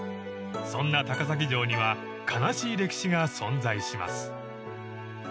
［そんな高崎城には悲しい歴史が存在します］